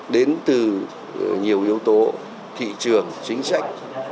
đến từ nhiều yếu tố thị trường chính sách